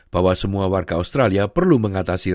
bahwa semua warga australia yang memiliki penyelamatan berbahaya ini